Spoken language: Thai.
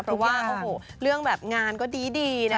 เพราะว่าโอ้โหเรื่องแบบงานก็ดีนะ